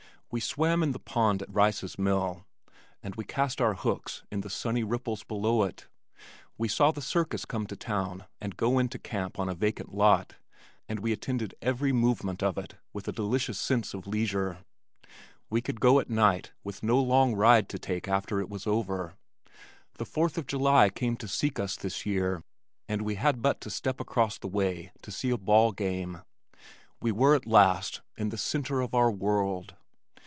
We swam in the pond at Rice's Mill and we cast our hooks in the sunny ripples below it. We saw the circus come to town and go into camp on a vacant lot, and we attended every movement of it with a delicious sense of leisure. We could go at night with no long ride to take after it was over. The fourth of July came to seek us this year and we had but to step across the way to see a ball game. We were at last in the center of our world.